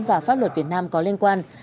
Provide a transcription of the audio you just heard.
và pháp luật việt nam có liên quan